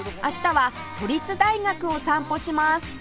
明日は都立大学を散歩します